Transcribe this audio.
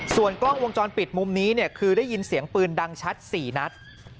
ส่วนกล้องวงจรปิดมุมนี้เนี่ยคือได้ยินเสียงปืนดังชัด๔นัด